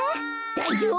だいじょうぶ。